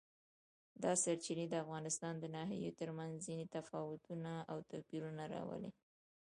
دا سرچینې د افغانستان د ناحیو ترمنځ ځینې تفاوتونه او توپیرونه راولي.